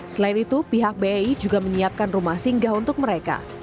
selain itu pihak bei juga menyiapkan rumah singgah untuk mereka